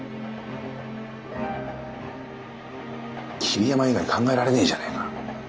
桐山以外考えられねえじゃねえか！